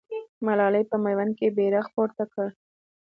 ملالۍ په میوند کې بیرغ پورته کړ.